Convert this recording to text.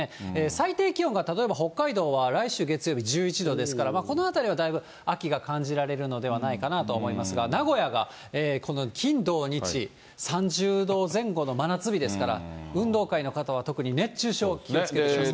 最低気温が、例えば北海道は、来週月曜日１１度ですから、このあたりはだいぶ秋が感じられるのではないかなと思いますが、名古屋がこの金土日、３０度前後の真夏日ですから、運動会の方は、特に熱中症、気をつけられてください。